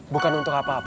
bukan untuk apa apa